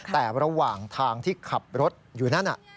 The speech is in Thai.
แต่ระหว่างทางที่ขับรถอยู่นั่น